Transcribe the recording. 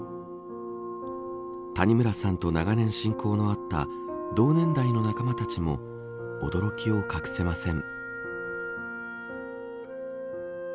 谷村さんと長年親交のあった同年代の仲間たちも驚きを隠せません。